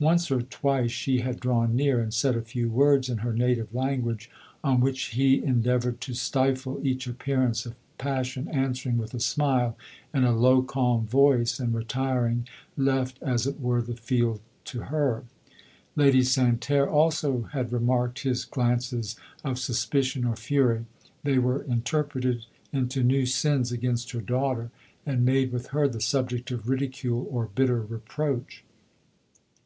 Once or twice she had drawn near, and said a few words in her native language, on which he endeavoured to stifle each appearance of passion, answering with a smile, in a low calm voice, and retiring, left, as it were, the field to her. Lady Santerre also had remarked his glances of suspicion or fury ; they were interpreted into new sins against her daughter, and made with her the subject of ridicule or bitter reproach.